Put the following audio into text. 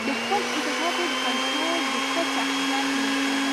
د خپلو احساساتو کنټرول د ښه شخصیت نښه ده.